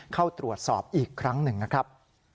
เข้าตรวจสอบอีกครั้งหนึ่งนะครับ